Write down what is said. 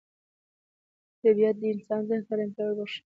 طبیعت د انسان ذهن ته ارامتیا وربخښي